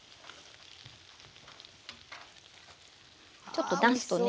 ちょっとなすとね。